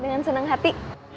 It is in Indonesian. dengan senang hati